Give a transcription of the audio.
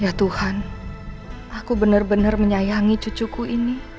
ya tuhan aku benar benar menyayangi cucuku ini